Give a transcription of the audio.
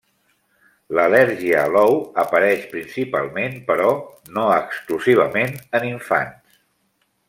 L'al·lèrgia a l'ou apareix principalment, però no exclusivament, en infants.